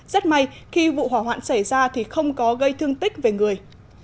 rất may khi vụ hỏa hoạn xảy ra thì không có gây thương tích về người